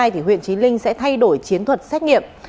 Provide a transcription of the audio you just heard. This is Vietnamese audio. thì huyện trí linh sẽ thay đổi chiến thuật xét nghiệm